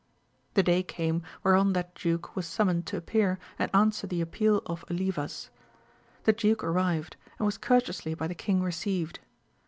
The day came whereon that duke was summoned to appear and answer the appeal of Olivas. The duke arrived, and was courteously by the king received.